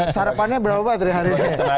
sarapannya berapa baterai